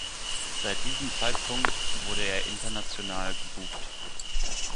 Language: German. Seit diesem Zeitpunkt wurde er international gebucht.